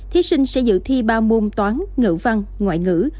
thí sinh sẽ dự thi ba môn toán ngữ văn ngoại ngữ